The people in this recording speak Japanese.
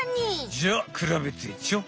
じゃあくらべてちょ。